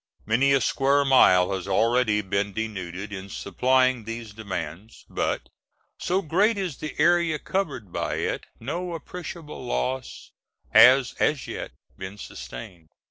Many a square mile has already been denuded in supplying these demands, but, so great is the area covered by it, no appreciable loss has as yet been sustained.